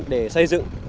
để xây dựng